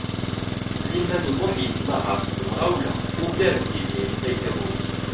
Sliman U Muḥ yettnahaṛ s lemɣawla ugar n Tiziri Tagawawt.